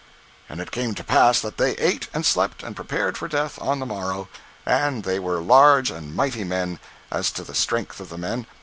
9. And it came to pass that they ate and slept, and prepared for death on the morrow. And they were large and mighty men, as to the strength of men.